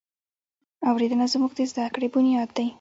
اورېدنه زموږ د زده کړې بنیاد دی.